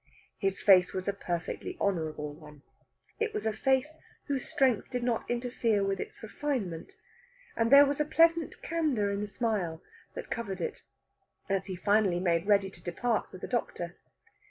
His face was a perfectly honourable one. It was a face whose strength did not interfere with its refinement, and there was a pleasant candour in the smile that covered it as he finally made ready to depart with the doctor.